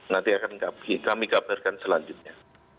nanti kami akan kabarkan selanjutnya